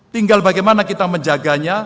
tinggal bagaimana kita menjaganya